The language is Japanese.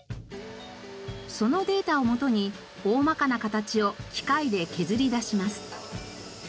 そのデータをもとに大まかな形を機械で削り出します。